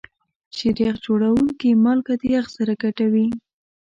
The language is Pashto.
شیریخ جوړونکي مالګه د یخ سره ګډوي.